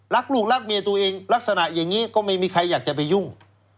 รักลูกรักเมียตัวเองลักษณะอย่างนี้ก็ไม่มีใครอยากจะไปยุ่ง